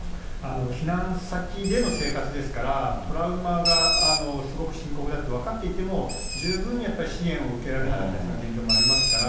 避難先での生活ですから、トラウマがすごく深刻だって分かっていても、十分にやっぱり支援を受けられなかったりする現状もありますから。